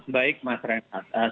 baik mas renat